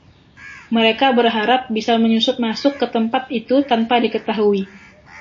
Mereka berharap bisa menyusup masuk ke tempat itu tanpa diketahui